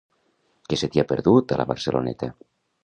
Què se t'hi ha perdut, a la Barceloneta?